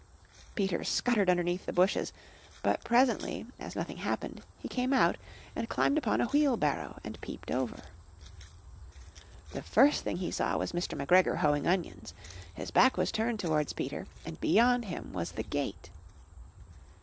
Peter scuttered underneath the bushes, but presently as nothing happened, he came out and Climbed upon a wheelbarrow, and peeped over. The first thing he saw was Mr. McGregor hoeing onions. His back was turned towards Peter and beyond him was the gate!